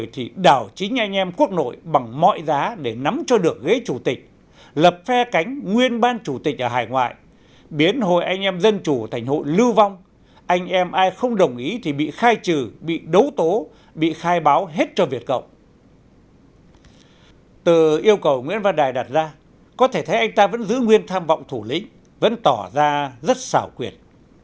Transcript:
từ yêu cầu nguyễn văn đài đặt ra có thể thấy anh ta vẫn giữ nguyên tham vọng thủ lĩnh vẫn tỏ ra rất xảo quyệt